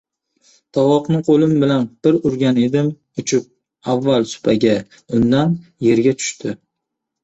— Tovoqni qo‘lim bilan bir urgan edim, uchib avval supaga, undan yerga tushdi.